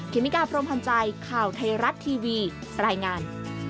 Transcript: เมกาพรมพันธ์ใจข่าวไทยรัฐทีวีรายงาน